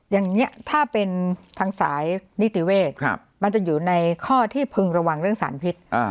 อย่างนี้ถ้าเป็นทางสายนิติเวศมันจะอยู่ในข้อที่พึงระวังเรื่องสารพิษ